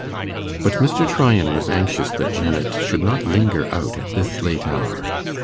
But Mr. Tryan was anxious that Janet should not linger out at this late hour.